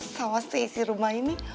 sawas teh isi rumah ini